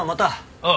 ああ。